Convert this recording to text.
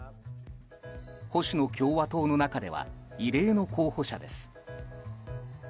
保守の共和党の中では異例の候補者です。